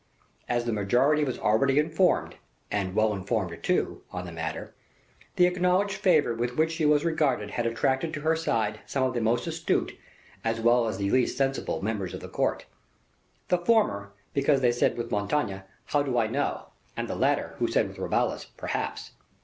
As the majority was already informed, and well informed, too, on the matter, the acknowledged favor with which she was regarded had attracted to her side some of the most astute, as well as the least sensible, members of the court. The former, because they said with Montaigne, "How do I know?" and the latter, who said with Rabelais, "Perhaps."